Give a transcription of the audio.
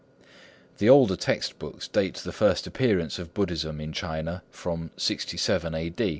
The older text books date the first appearance of Buddhism in China from 67 A.